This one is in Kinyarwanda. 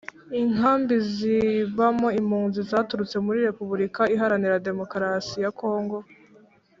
Inkambi zibamo impunzi zaturutse muri Repubulika Iharanira Demokarasi ya Kongo